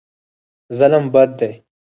ظلم بد دی.